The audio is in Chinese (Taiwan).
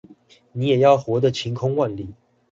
你也要活得晴空萬里